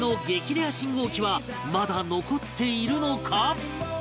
レア信号機はまだ残っているのか？